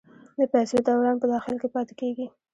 د پیسو دوران په داخل کې پاتې کیږي؟